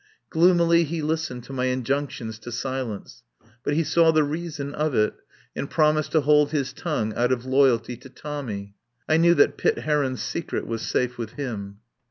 Gloomily he listened to my injunctions to silence. But he saw the reason of it and promised to hold his tongue out of loyalty to Tommy. I knew that Pitt Heron's secret was safe with him.